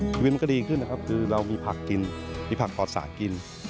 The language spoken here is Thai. ชีวิตมันก็ดีขึ้นนะครับคือเรามีผักกินมีผักปอดสากิน